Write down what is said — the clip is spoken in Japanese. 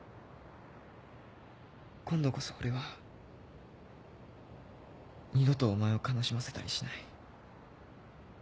今度こそ俺は二度とお前を悲しませたりしない。